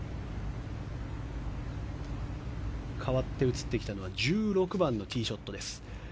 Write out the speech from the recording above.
かわって映ってきたのは１６番のティーショットです。